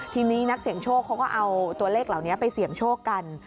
ทีนี้นักเสี่ยงโชคเขาก็เอาตัวเลขเหล่านี้ไปเสี่ยงโชคกัน